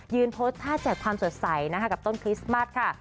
โพสต์ท่าแจกความสดใสนะคะกับต้นคริสต์มัสค่ะ